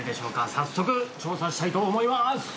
早速調査したいと思います！